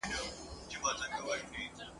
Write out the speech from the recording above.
دا وروستی ګلاب د اوړي چي تنها ښکاریږي ښکلی !.